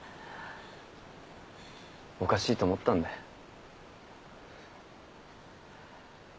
おかしいと思ったんだよ。